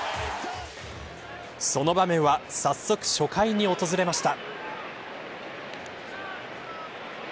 その場面は早速初回に訪れました。